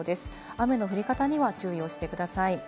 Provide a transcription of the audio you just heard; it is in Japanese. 雨の降り方には注意をしてください。